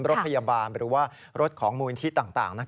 รถพยาบาลหรือว่ารถของมูลนิธิต่าง